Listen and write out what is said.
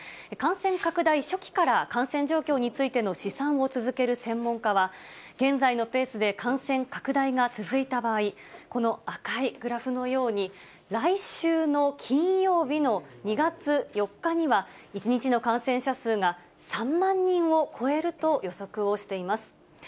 感染拡大初期から感染状況についての試算を続ける専門家は、現在のペースで感染拡大が続いた場合、この赤いグラフのように、来週の金曜日の２月４日には、１日の感染者数が３万人を超えると予測をしています。